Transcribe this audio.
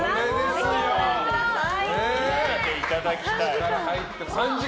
ぜひご覧ください。